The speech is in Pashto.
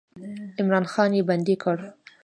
عمرا خان یې بندي کړ.